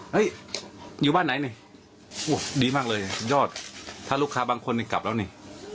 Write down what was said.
อยู่บ้านไหนนี่ดีมากเลยยอดถ้าลูกค้าบางคนกลับแล้วนี่